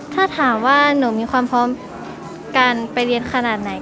ถ้าถามว่าหนูมีความพร้อมการไปเรียนขนาดไหน